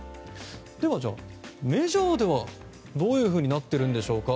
では、メジャーではどういうふうになっているんでしょうか。